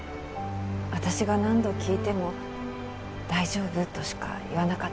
私が何度聞いても大丈夫としか言わなかったんです。